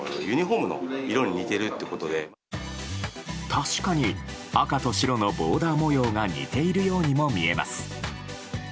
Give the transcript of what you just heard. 確かに赤と白のボーダー模様が似ているようにも見えます。